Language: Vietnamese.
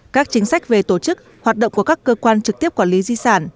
các chính sách về tổ chức hoạt động của các cơ quan trực tiếp quản lý di sản